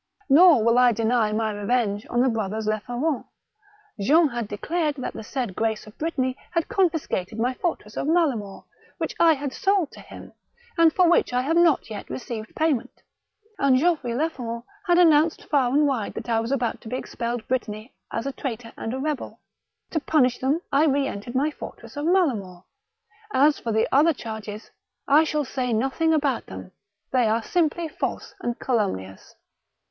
Nor 214 THE BOOK OF WERE WOLVES. will I deny my revenge on the brothers Leferon : Jean had declared that the said Grace of Brittany had con fiscated my fortress of Malemort, which I had sold to him, and for which I have not yet received payment ; and Geoffrey Leferon had announced far and wide that I was about to be expelled Brittany as a traitor and a rebel. To punish them I re entered my fortress of Malemort. — As for the other charges, I shall say no thing about them, they are simply false and calum nious."